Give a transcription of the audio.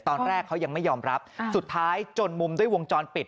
ตอนแรกเขายังไม่ยอมรับสุดท้ายจนมุมด้วยวงจรปิด